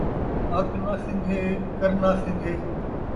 اَک ناں سنگھے، کرناں سنگھے